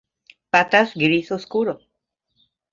Patas gris oscuro.